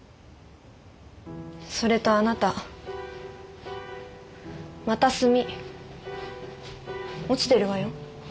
それとあなたまた炭落ちてるわよ。